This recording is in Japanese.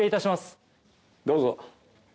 どうぞ。